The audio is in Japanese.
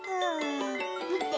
みて！